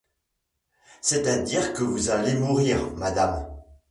C’est-à-dire que vous allez mourir, madame!